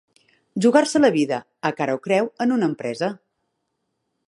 Jugar-se la vida a cara o creu en una empresa.